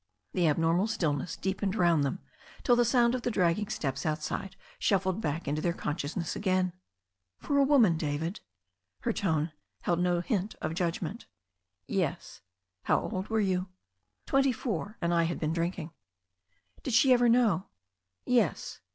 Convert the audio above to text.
The abnormal stillness deepened round them till the sound of the dragging steps outside shuffled back into their con sciousness again. "For a woman, David?" Her tone held no hint of judg ment. "Yes." "How old were you?" "Twenty four — ^and I had been drinking." "Did she ever know?" "Yes.